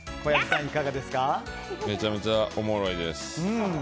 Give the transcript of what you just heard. めちゃめちゃおもろいです。